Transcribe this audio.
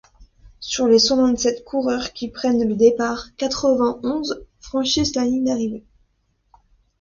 Sur les cent-vingt-sept coureurs qui prennent le départ, quatre-vingt-onze franchissent la ligne d'arrivée.